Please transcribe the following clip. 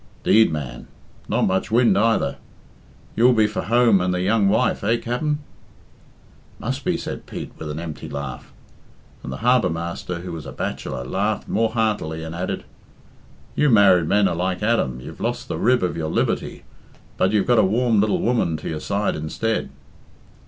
"'Deed, man! Not much wind either. You'll be for home and the young wife, eh, Capt'n?" "Must be," said Pete, with an empty laugh. And the harbour master, who was a bachelor, laughed more heartily, and added "You married men are like Adam, you've lost the rib of your liberty, but you've got a warm little woman to your side instead."